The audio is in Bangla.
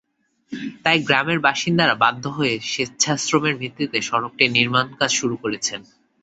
তাই গ্রামের বাসিন্দারা বাধ্য হয়ে স্বেচ্ছাশ্রমের ভিত্তিতে সড়কটির নির্মাণকাজ শুরু করেছেন।